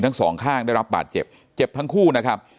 ทั้งสองข้างได้รับบาดเจ็บเจ็บทั้งคู่นะครับ